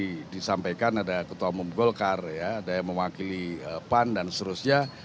seperti yang tadi disampaikan ada ketua umum golkar ada yang wakili pan dan seterusnya